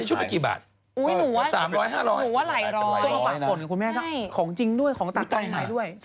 ชุดกุมานทองจะต้องหายหมด